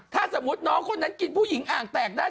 ถ้าสมมุติน้องคนนั้นกินผู้หญิงอ่างแตกได้